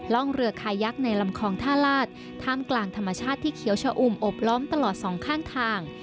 ร่องเรือคายักษ์ในลำคลองท่าลาศท่ามกลางธรรมชาติที่เขียวชะอุ่มอบล้อมตลอดสองข้างทาง